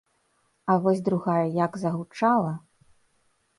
А вось другая як загучала!!!